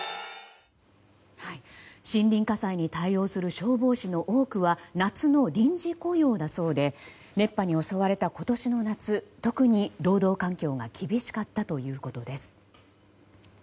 森林火災に対応する消防士の多くは夏の臨時雇用だそうで熱波に襲われた今年の夏特に労働環境が厳しかったということです。